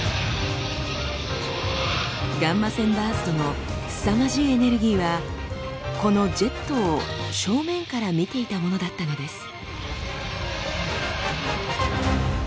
ガンマ線バーストのすさまじいエネルギーはこのジェットを正面から見ていたものだったのです。